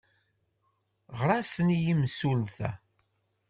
Ɣer-asen i yemsulta!